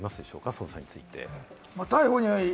捜査について。